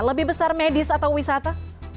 lebih besar medis atau wisata